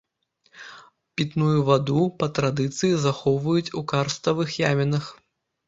Пітную ваду па традыцыі захоўваюць у карставых ямінах.